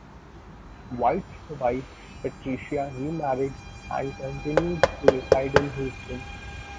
White's wife Patricia remarried and continued to reside in Houston.